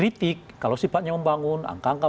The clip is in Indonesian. kritik kalau sifatnya membangun angka angka